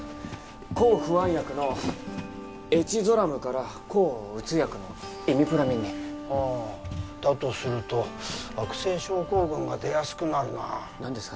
抗不安薬のエチゾラムから抗うつ薬のイミプラミンにああだとすると悪性症候群が出やすくなるな何ですか？